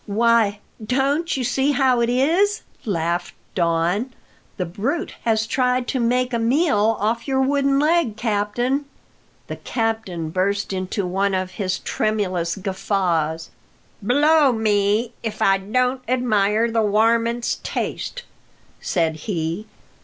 "Why, don't you see how it is?" laughed Don. "The brute has tried to make a meal off your wooden leg, captain." The captain burst into one of his tremendous guffaws. "Blow me if I don't admire the warmint's taste," said he.